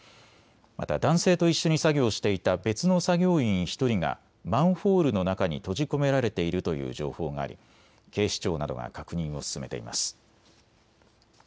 また男性と一緒に作業していた別の作業員１人がマンホールの中に閉じ込められているという情報があり警視庁などが確認を進めています。